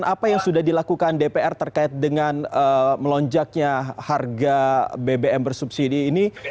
apa yang sudah dilakukan dpr terkait dengan melonjaknya harga bbm bersubsidi ini